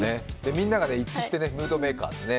みんなが一致してムードメーカーだね、